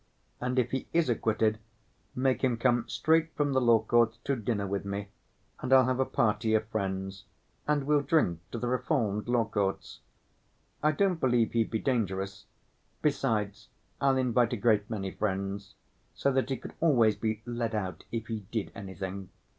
And if he is acquitted, make him come straight from the law courts to dinner with me, and I'll have a party of friends, and we'll drink to the reformed law courts. I don't believe he'd be dangerous; besides, I'll invite a great many friends, so that he could always be led out if he did anything.